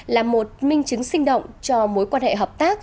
là một minh chứng sinh động cho mối quan hệ hợp tác